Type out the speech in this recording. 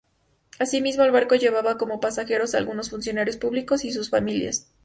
Así mismo el barco llevaba como pasajeros a algunos funcionarios públicos y sus familias.